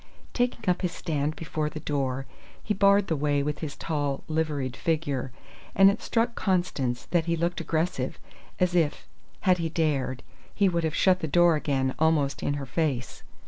Taking up his stand before the door, he barred the way with his tall, liveried figure, and it struck Constance that he looked aggressive, as if, had he dared, he would have shut the door again, almost in her face.